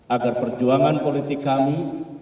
agar perjuangan politik kami